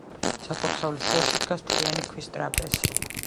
საკურთხევლის შუაში დგას მთლიანი ქვის ტრაპეზი.